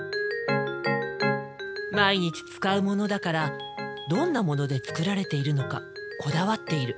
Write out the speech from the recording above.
毎日使うものだからどんなもので作られているのかこだわっている。